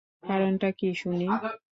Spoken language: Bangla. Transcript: কারণটা কী শুনি।